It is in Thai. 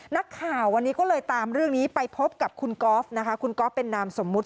นักข่าววันนี้ก็เลยตามเรื่องนี้ไปพบกับคุณกอล์ฟนะคะคุณก๊อฟเป็นนามสมมุติ